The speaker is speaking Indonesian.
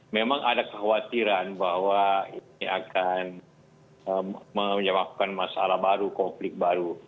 memang ada kekhawatiran bahwa ini akan menyebabkan masalah baru konflik baru